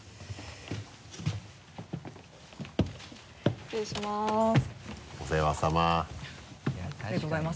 失礼します。